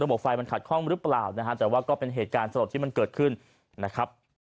ไฟมันขัดข้องหรือเปล่านะฮะแต่ว่าก็เป็นเหตุการณ์สลดที่มันเกิดขึ้นนะครับ